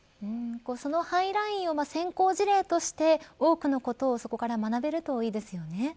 そのハイラインを先行事例として多くのことをそこから学べるといいですよね。